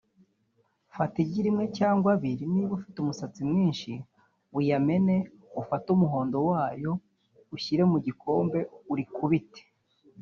Fata igi rimwe cyangwa abiri niba ufite umusatsi mwinshi uyamene ufate umuhondo wayo ushyire mu gikombe urikubite